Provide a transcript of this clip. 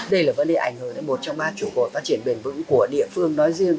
đây là vấn đề ảnh hưởng đến một trong ba chủ cột phát triển bền vững của địa phương nói riêng